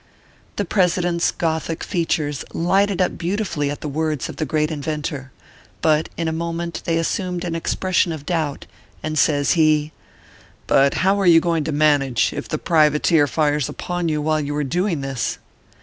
The President s gothic features lighted up beauti fully at the words of the great inventor ; but in a moment they assumed an expression of doubt, and says he : "But how are you going to manage, if the priva teer fires upon you while you are doing this